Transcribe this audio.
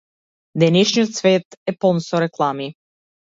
Денешниот свет е полн со реклами.